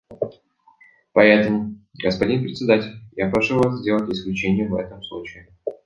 Поэтому, господин Председатель, я прошу Вас сделать исключение в этом случае.